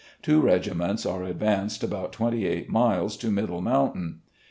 Two regiments are advanced about twenty eight miles to Mid dle Mountain.